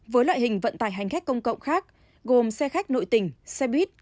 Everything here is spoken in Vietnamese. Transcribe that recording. với loại hình vận tải hành khách công cộng khác gồm xe khách nội tỉnh xe buýt